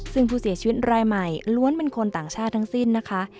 ซึ่งผู้เสียชีวิตรายใหม่ล้วนเป็นคนต่างชาติทั้งสิ้นนะคะ